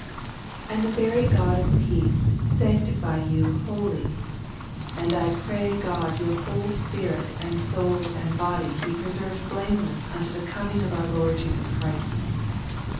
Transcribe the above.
And the very God of peace sanctify you wholly: and I pray God your whole spirit and soul and body be preserved blameless unto the coming of our Lord Jesus Christ.